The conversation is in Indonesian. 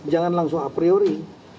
jangan langsung a priori